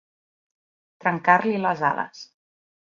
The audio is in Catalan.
Trencar-li les ales.